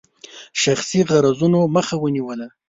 شخصي غرضونو مخه ونیوله.